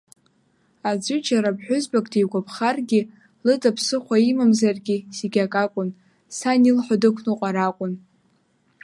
Аӡәы џьара ԥҳәызбак дигәаԥхаргьы, лыда ԥсыхәа имамзаргьы, зегьы акакәын, сан илҳәо дықәныҟәар акәын.